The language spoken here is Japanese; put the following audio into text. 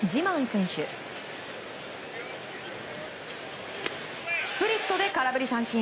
スプリットで空振り三振。